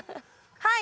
はい！